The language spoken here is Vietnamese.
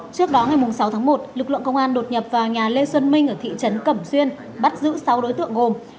trước đó ngày sáu tháng một lực lượng công an đột nhập vào nhà lê xuân minh ở thị trấn cẩm xuyên bắt giữ sáu đối tượng gồm